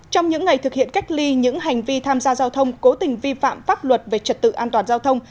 trong những ngày thực hiện cách ly những hành vi tham gia giao thông cố tình vi phạm pháp luật về trật tự an toàn giao thông